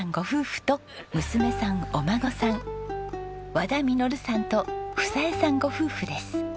和田実さんと房江さんご夫婦です。